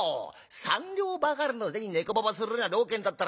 三両ばかりの銭ネコババするような了見だったらね